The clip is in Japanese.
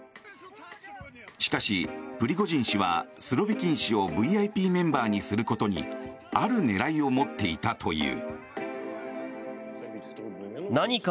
しかし、プリゴジン氏はスロビキン氏をＶＩＰメンバーにすることにある狙いを持っていたという。